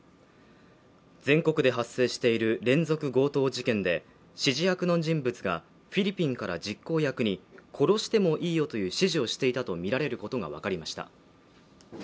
全国で発生している連続強盗事件で指示役の人物がフィリピンから実効役に殺してもいいよという指示をしていたとみられることが分かりました